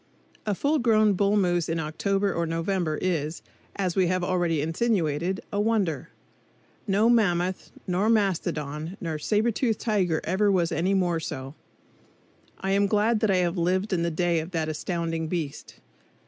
A full grown bull moose in October or November is, as we have already insinuated, a wonder. No mammoth, nor mastodon, nor sabretoothed tiger ever was any more so. I am glad that I have lived in the day of that astounding beast.